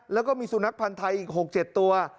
แล้วก็มีสุนัขพันธ์ไทยอีก๖๗ตัว